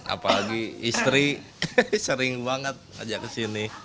apalagi istri sering banget ajak ke sini